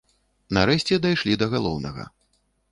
Нарэшце, дайшлі да галоўнага.